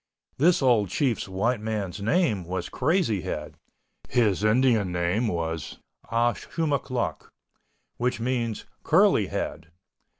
This old Chief's white man's name was Crazy Head—his Indian name was Ah Shumoch Noch, which means "Curly Head."